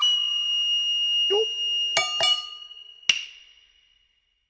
よっ！